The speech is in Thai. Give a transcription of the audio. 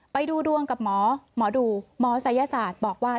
ไปดูดวงกับหมอหมอดูหมอศัยศาสตร์บอกว่า